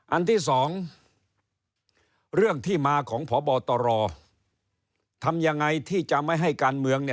อันที่สองเรื่องที่มาของพบตรทำยังไงที่จะไม่ให้การเมืองเนี่ย